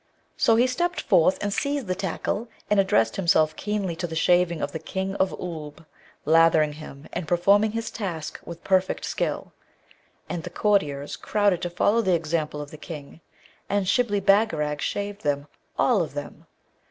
So he stepped forth and seized the tackle, and addressed himself keenly to the shaving of the King of Oolb, lathering him and performing his task with perfect skill. And the courtiers crowded to follow the example of the King, and Shibli Bagarag shaved them, all of them.